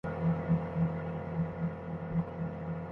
আমিও তাদের একজন।